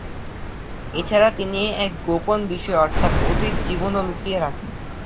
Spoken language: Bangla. এছাড়া, তিনি এক গোপন বিষয় অর্থাৎ অতীত জীবনও লুকিয়ে রাখেন।